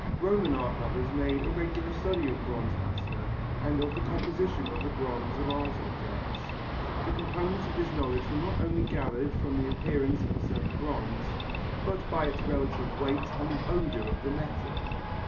Roman art lovers made a regular study of bronze patina and of the composition of the bronze of art objects. The components of this knowledge were not only gathered from the appearance of a certain bronze, but by its relative weight and the odour of the metal.